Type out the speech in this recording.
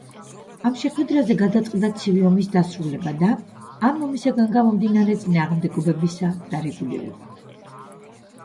ამ შეხვედრაზე გადაწყდა „ცივი ომის“ დასრულება და ამ ომისაგან გამომდინარე წინააღმდეგობებისა დარეგულირება.